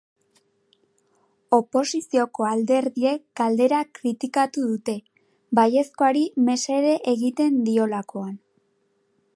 Oposizioko alderdiek galdera kritikatu dute, baiezkoari mesede egiten diolakoan.